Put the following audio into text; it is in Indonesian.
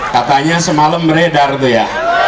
katanya semalam beredar tuh ya